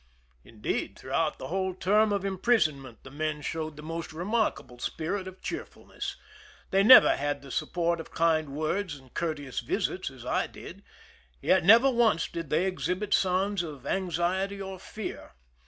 Indeed, throughout the whole term of imprisonment the men showed the most remark able spirit of cheerfulness. They never had the support of kind words and courteous visits, as I did ; yet never once did they exhibit signs of anxiety or fear.